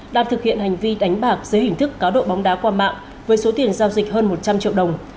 phát hiện hành vi đánh bạc dưới hình thức cáo độ bóng đá qua mạng với số tiền giao dịch hơn một trăm linh triệu đồng